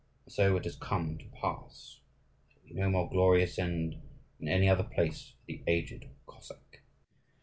And so it has come to pass. There can be no more glorious end in any other place for the aged Cossack."